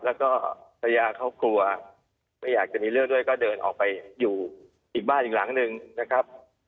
แล้วก็ภรรยาเขากลัวไม่อยากจะมีเรื่องด้วยก็เดินออกไปอยู่อีกบ้านอีกหลังหนึ่งนะครับ